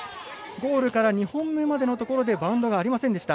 ゴールから２本目のところまでバウンドがありませんでした。